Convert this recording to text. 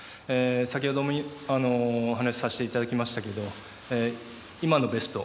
先ほどもお話しさせていただきましたが今のベスト